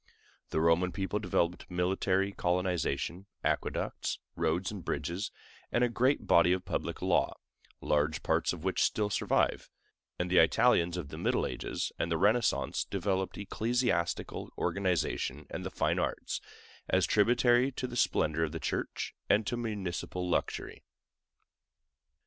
The Roman people developed military colonization, aqueducts, roads and bridges, and a great body of public law, large parts of which still survive; and the Italians of the middle ages and the Renaissance developed ecclesiastical organization and the fine arts, as tributary to the splendor of the church and to municipal luxury.